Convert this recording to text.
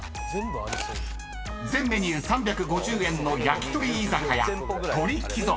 ［全メニュー３５０円の焼き鳥居酒屋］